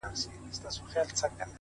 • دا خو رښتيا خبره ـ